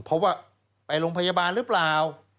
เพราะว่าไปโรงพยาบาลหรือเปล่า